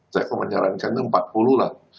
saya menyarankan empat puluh lah